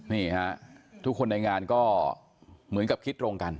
นี่ฮะทุกคนในงานก็เหมือนกับคิดตรงกัน